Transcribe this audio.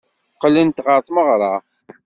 Qqlent ɣer tmeɣra.